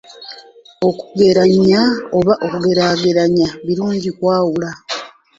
Okugeranya oba okugeraageranya birungi okwawula.